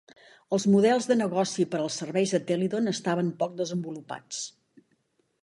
Els models de negoci per als serveis de Telidon estaven poc desenvolupats.